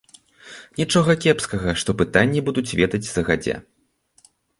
Нічога кепскага, што пытанні будуць ведаць загадзя.